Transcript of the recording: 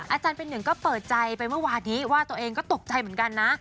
อาจารย์เป็นหนึ่งก็เปิดใจไปเมื่อวานนี้ว่าตัวเองก็ตกใจเหมือนกันนะ